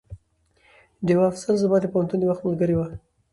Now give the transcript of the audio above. ډيوه افصل زما د پوهنتون د وخت ملګرې وه